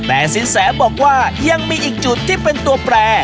แต่สินแสบอกว่ายังมีอีกจุดที่เป็นตัวแปร